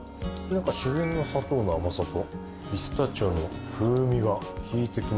自然な砂糖の甘さとピスタチオの風味が効いてきますね。